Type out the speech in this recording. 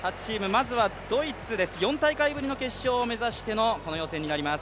まずはドイツです、４大会ぶりの決勝を目指してのこの予選になります。